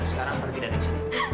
sekarang pergi dari sini